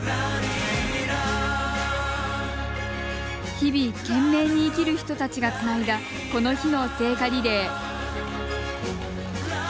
日々懸命に生きる人たちがつないだ、この日の聖火リレー。